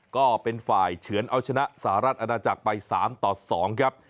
ก็เป็นฝ่ายเฉือนเอาชนะสหรัฐอาณาจักรไป๓ต่อ๒ครับ